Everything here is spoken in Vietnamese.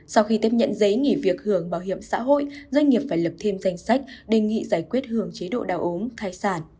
sau khi tiếp nhận giấy nghỉ việc hưởng bảo hiểm xã hội doanh nghiệp phải lập thêm danh sách đề nghị giải quyết hưởng chế độ đào ốm thai sản